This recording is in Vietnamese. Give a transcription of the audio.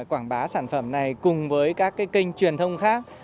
quảng bá sản phẩm này cùng với các kênh truyền thông khác